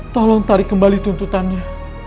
tolong tarik kembali tuntutannya